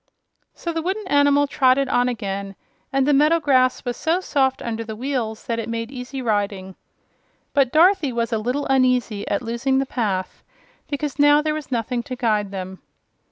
So the wooden animal trotted on again and the meadow grass was so soft under the wheels that it made easy riding. But Dorothy was a little uneasy at losing the path, because now there was nothing to guide them.